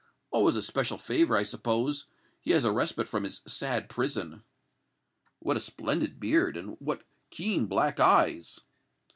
"Oh! as a special favor, I suppose; he has a respite from his sad prison." "What a splendid beard, and what keen black eyes!"